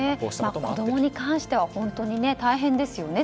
子供に関しては本当に大変ですよね。